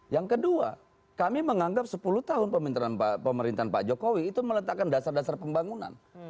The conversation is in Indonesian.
yang kedua kami menganggap sepuluh tahun pemerintahan pak jokowi itu meletakkan dasar dasar pembangunan